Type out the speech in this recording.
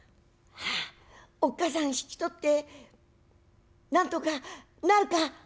「ああおっ母さん引き取ってなんとかなるか？」。